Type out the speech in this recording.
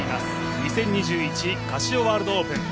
２０２１カシオワールドオープン。